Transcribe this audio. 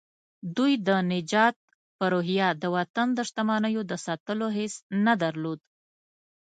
دوی د نجات په روحيه د وطن د شتمنيو د ساتلو حس نه درلود.